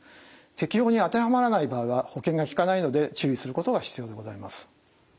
適応に当てはまらない場合は保険がきかないので注意することが必要でございます。